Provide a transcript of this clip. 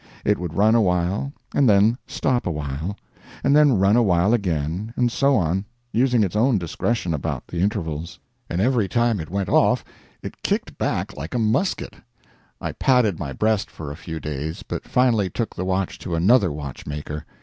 It would run awhile and then stop awhile, and then run awhile again, and so on, using its own discretion about the intervals. And every time it went off it kicked back like a musket. I padded my breast for a few days, but finally took the watch to another watchmaker.